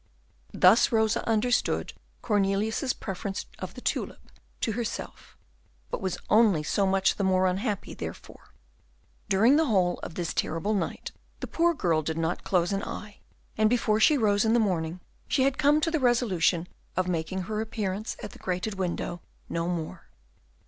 Thus Rosa understood Cornelius's preference of the tulip to herself, but was only so much the more unhappy therefor. During the whole of this terrible night the poor girl did not close an eye, and before she rose in the morning she had come to the resolution of making her appearance at the grated window no more.